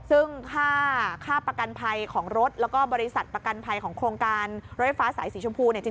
ซึ่งค่าประกันภัยของรถแล้วก็บริษัทประกันภัยของโครงการรถไฟฟ้าสายสีชมพูเนี่ย